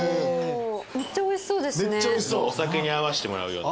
めっちゃおいしそうですね。